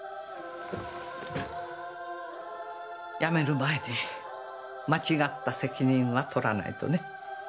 辞める前に間違った責任は取らないとね。